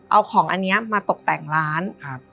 เอาของอันนี้มาตกแต่งร้าน